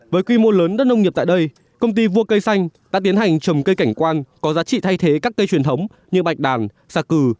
với quy mô lớn đất nông nghiệp tại đây công ty vua cây xanh đã tiến hành trồng cây cảnh quan có giá trị thay thế các cây truyền thống như bạch đàn sạc cử